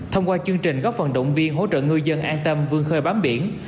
thông qua chương trình góp phần động viên hỗ trợ ngư dân an tâm vương khơi bám biển